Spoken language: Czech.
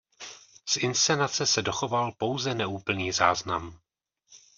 Z inscenace se dochoval pouze neúplný záznam.